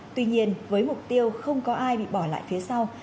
tuy nhiên với mục tiêu không có ai bị bỏ lại phía sau